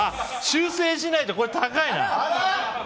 修正しないとこれは高いな。